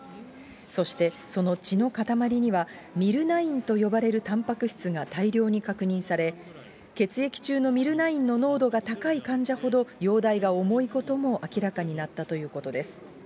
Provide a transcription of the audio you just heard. そして、その血の塊にはミルナインと呼ばれるタンパク質が大量に確認され、血液中のミルナインの濃度が高い患者ほど、容体が重いことも明らかになったということです。